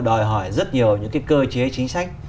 đòi hỏi rất nhiều những cái cơ chế chính sách